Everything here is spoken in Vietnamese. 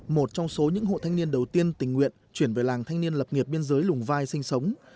một trong số những hộ thanh niên đầu tiên tình nguyện chuyển về làng thanh niên lập nghiệp biên giới lùng vai sinh sống